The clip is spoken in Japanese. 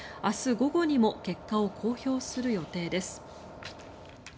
午後にも結果を公表する予定です。